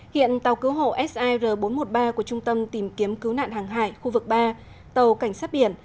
hiện tàu cứu hộ sir bốn trăm một mươi ba của trung tâm tìm kiếm cứu nạn hàng hải khu vực ba tàu cảnh sát biển